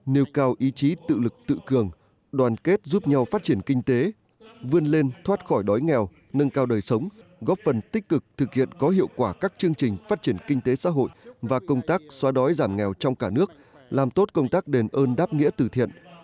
nêu cao ý chí tự lực tự cường đoàn kết giúp nhau phát triển kinh tế vươn lên thoát khỏi đói nghèo nâng cao đời sống góp phần tích cực thực hiện có hiệu quả các chương trình phát triển kinh tế xã hội và công tác xóa đói giảm nghèo trong cả nước làm tốt công tác đền ơn đáp nghĩa từ thiện